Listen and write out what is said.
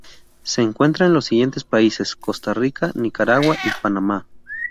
Se encuentra en los siguientes países: Costa Rica, Nicaragua y Panamá.